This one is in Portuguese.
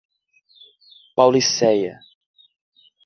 Paulicéia